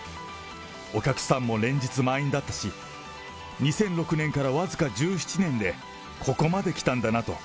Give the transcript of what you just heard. お客さんも連日、満員だったし、２００６年から僅か１７年で、ここまできたんだなと。